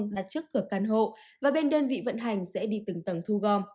đặt trước cửa căn hộ và bên đơn vị vận hành sẽ đi từng tầng thu gom